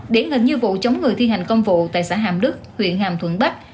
điển hình như vụ chống người thi hành công vụ tại xã hàm đức huyện hàm thuận bắc